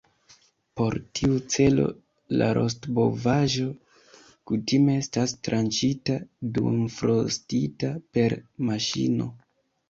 Por tiu celo la rostbovaĵo kutime estas tranĉita duonfrostita per maŝino.